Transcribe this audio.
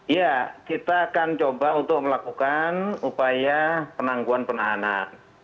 ya kita akan coba untuk melakukan upaya penangguhan penahanan